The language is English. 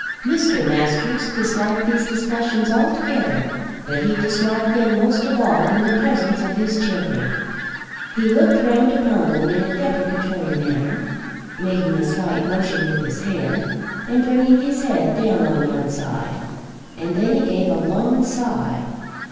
Mr. Masters disliked these discussions altogether, but he disliked them most of all in presence of his children. He looked round upon them in a deprecatory manner, making a slight motion with his hand and bringing his head down on one side, and then he gave a long sigh.